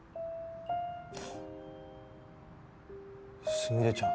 すみれちゃん。